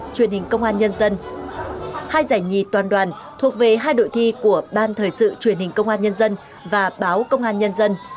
truyền hình công an nhân dân hai giải nhì toàn đoàn thuộc về hai đội thi của ban thời sự truyền hình công an nhân dân và báo công an nhân dân